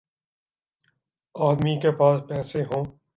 آدمی کے پاس پیسے ہوں۔